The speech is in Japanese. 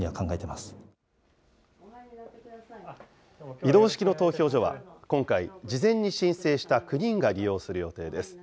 移動式の投票所は、今回、事前に申請した９人が利用する予定です。